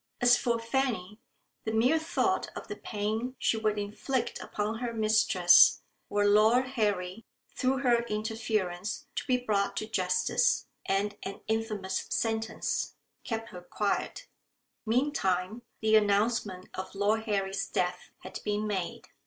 As for Fanny, the mere thought of the pain she would inflict upon her mistress, were Lord Harry, through her interference, to be brought to justice and an infamous sentence, kept her quiet. Meantime, the announcement of Lord Harry's death had been made.